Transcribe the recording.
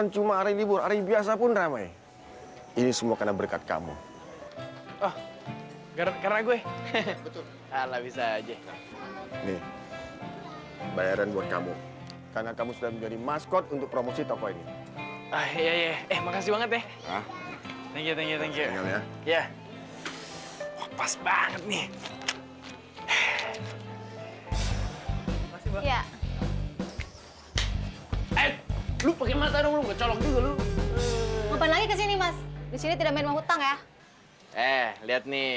ya lu pake mata dulu coba coba lagi ke sini mas di sini tidak mau hutang ya eh lihat nih